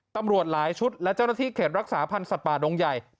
ตำรวจหลายชุดและเจ้าหน้าที่เขตรักษาพันธ์สัตว์ป่าดงใหญ่